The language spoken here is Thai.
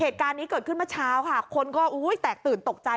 เหตุการณ์นี้เกิดขึ้นเมื่อเช้าค่ะคนก็แตกตื่นตกใจ